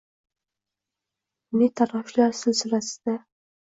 Ne taloshlar silsilasida